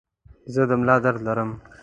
زه د ملا درد لرم.